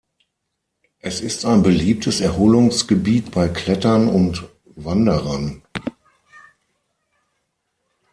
Es ist ein beliebtes Erholungsgebiet bei Klettern und Wanderern.